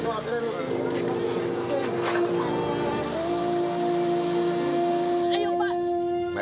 saya mau ke situ aja